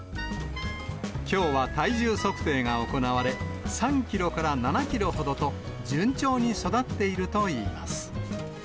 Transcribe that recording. きょうは体重測定が行われ、３キロから７キロほどと、順調に育っているといいます。